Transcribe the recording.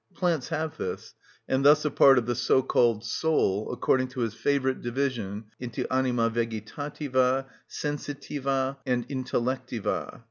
Plants have this, and thus a part of the so‐called soul, according to his favourite division into anima vegetativa, sensitiva, and intellectiva.